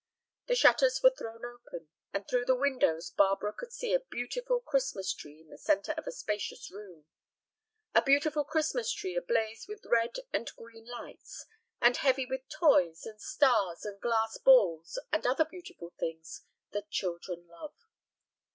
The shutters were thrown open, and through the windows Barbara could see a beautiful Christmas tree in the centre of a spacious room, a beautiful Christmas tree ablaze with red and green lights, and heavy with toys and stars and glass balls, and other beautiful things that children love.